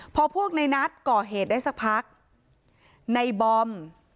พอพวกในนัทเกาะเหตุได้สักผัก